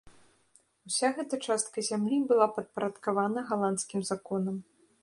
Уся гэта частка зямлі была падпарадкавана галандскім законам.